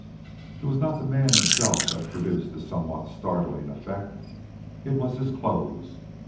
It was not the man himself that produced this somewhat startling effect; it was his clothes.